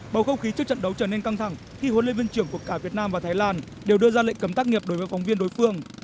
bầu không khí trước trận đấu trở nên căng thẳng khi huấn luyện viên trưởng của cả việt nam và thái lan đều đưa ra lệnh cấm tác nghiệp đối với phóng viên đối phương